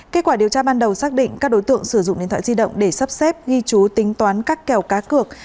kết quả điều tra ban đầu xác định các đối tượng sử dụng điện thoại di động để sắp xếp ghi chú tính toán các kèo cá cược